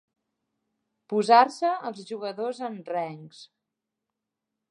Posar-se els jugadors en rengs.